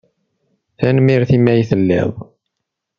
Tanemmirt imi ay telliḍ.